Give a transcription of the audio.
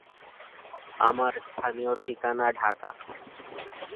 ছাত্র জীবন থেকেই তিনি রাজনীতির সাথে সক্রিয়ভাবে জড়িত ছিলেন।